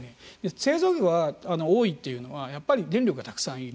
製造業が多いというのはやっぱり電力がたくさん要る。